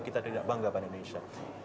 kita bisa mencari bangga pada indonesia